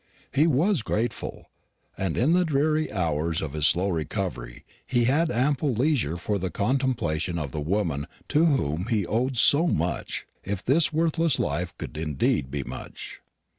He was grateful; and in the dreary hours of his slow recovery he had ample leisure for the contemplation of the woman to whom he owed so much, if his poor worthless life could indeed be much.